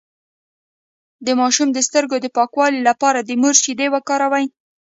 د ماشوم د سترګو د پاکوالي لپاره د مور شیدې وکاروئ